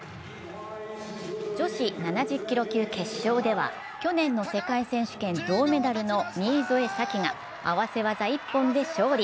女子７０キロ級決勝では去年の世界選手権銅メダルの新添左季が合わせ技一本で勝利。